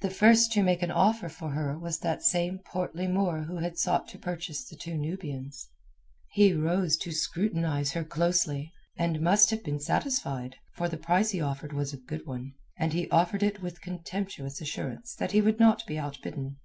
The first to make an offer for her was that same portly Moor who had sought to purchase the two Nubians. He rose to scrutinize her closely, and must have been satisfied, for the price he offered was a good one, and he offered it with contemptuous assurance that he would not be outbidden.